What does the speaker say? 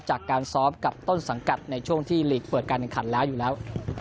จากการซ้อมกับต้นสังกัดในช่วงที่หลีกเปิดการแข่งขันแล้วอยู่แล้ว